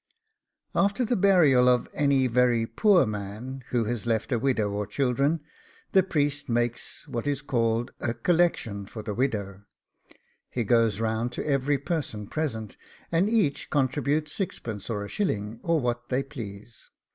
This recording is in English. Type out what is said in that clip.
After the burial of any very poor man, who has left a widow or children, the priest makes what is called a COLLECTION for the widow; he goes round to every person present, and each contributes sixpence or a shilling, or what they please.